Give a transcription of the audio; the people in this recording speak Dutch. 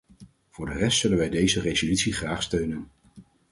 Voor de rest zullen wij deze resolutie graag steunen.